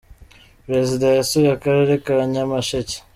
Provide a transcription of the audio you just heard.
perezida yasuye akarere ka nyamasheke.